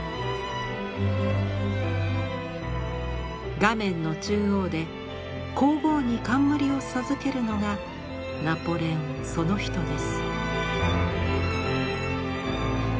画面の中央で皇后に冠を授けるのがナポレオンその人です。